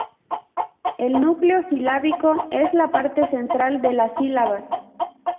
El núcleo silábico es la parte central de las sílabas.